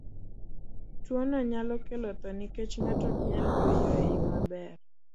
Tuwono nyalo kelo tho nikech ng'ato ok nyal yweyo e yo maber.